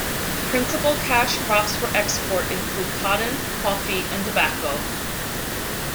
Principal cash crops for export include cotton, coffee, and tobacco.